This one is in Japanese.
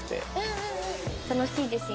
楽しいですよ。